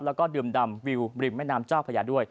แล้วก็ดื่มดำวิวริมแม่น้ำเจ้าพญาด้วย